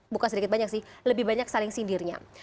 buka sedikit banyak sih lebih banyak saling sindirnya